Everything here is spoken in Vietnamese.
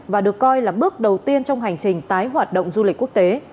và được coi là bước đầu tiên trong hành trình tái hoạt động du lịch quốc tế